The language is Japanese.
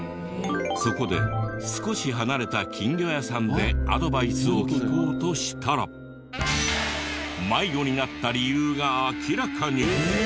そこで少し離れた金魚屋さんでアドバイスを聞こうとしたら迷魚になった理由が明らかに！